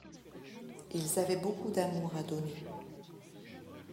Ils avaient beaucoup d’amour à donner.